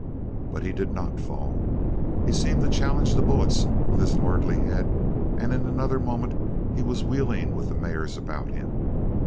But he did not fall. He seemed to challenge the bullets with his lordly head and in another moment he was wheeling with the mares about him.